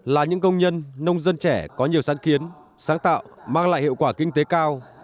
là những công nhân nông dân trẻ có nhiều sáng kiến sáng tạo mang lại hiệu quả kinh tế cao